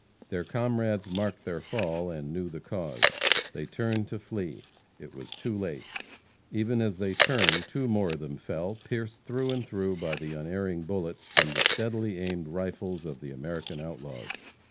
Their comrades marked their fall, and knew the cause. They turned to flee. It was too late. Even as they turned two more of them fell, pierced through and through by the unerring bullets from the steadily aimed rifles of the American outlaws.